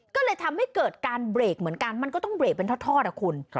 ก็เลยทำให้เกิดการเบรกเหมือนกันมันก็ต้องเรกเป็นทอดอ่ะคุณ